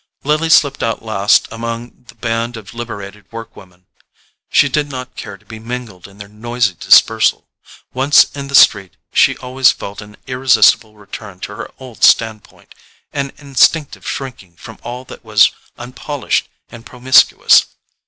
Lily slipped out last among the band of liberated work women. She did not care to be mingled in their noisy dispersal: once in the street, she always felt an irresistible return to her old standpoint, an instinctive shrinking from all that was unpolished and promiscuous.